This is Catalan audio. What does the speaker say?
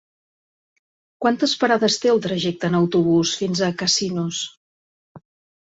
Quantes parades té el trajecte en autobús fins a Casinos?